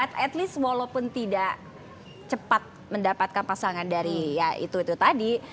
jadi at least walaupun tidak cepat mendapatkan pasangan dari ya itu itu tadi